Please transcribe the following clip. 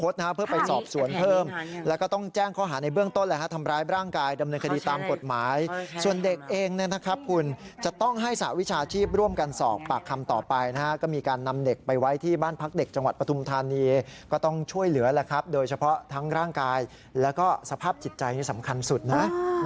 โดดต้นแหละฮะทำร้ายร่างกายดำเนินคดีตามกฎหมายส่วนเด็กเองนะครับคุณจะต้องให้สาวิชาชีพร่วมการสอบปากคำต่อไปนะฮะก็มีการนำเด็กไปไว้ที่บ้านพักเด็กจังหวัดปทุมธานีย์ก็ต้องช่วยเหลือแหละครับโดยเฉพาะทั้งร่างกายแล้วก็สภาพจิตใจเนี่ยสำคัญสุดนะ